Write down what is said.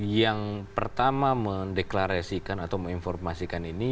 yang pertama mendeklarasikan atau menginformasikan ini